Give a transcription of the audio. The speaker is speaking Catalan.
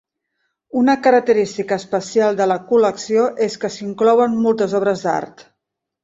Una característica especial de la col·lecció és que s'inclouen moltes obres d'art.